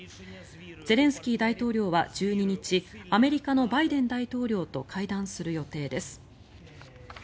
ゼレンスキー大統領は１２日アメリカのバイデン大統領と会談する予定です。